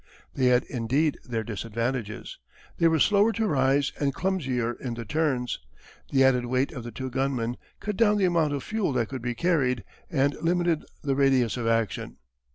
They had indeed their disadvantages. They were slower to rise and clumsier in the turns. The added weight of the two gunmen cut down the amount of fuel that could be carried and limited the radius of action.